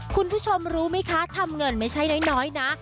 คุณผู้ชมรู้ไหมคะทำเงินไม่ใช่น้อยนะ